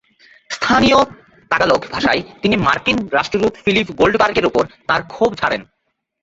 স্থানীয় তাগালগ ভাষায় তিনি মার্কিন রাষ্ট্রদূত ফিলিপ গোল্ডবার্গের ওপর তাঁর ক্ষোভ ঝাড়েন।